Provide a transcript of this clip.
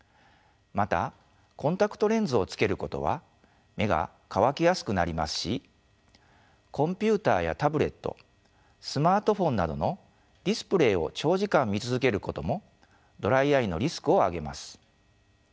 またコンタクトレンズをつけることは目が乾きやすくなりますしコンピューターやタブレットスマートフォンなどのディスプレイを長時間見続けることもドライアイのリスクを上げます。